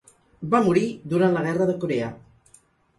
Va morir durant la Guerra de Corea.